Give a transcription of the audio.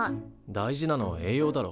大事なのは栄養だろ。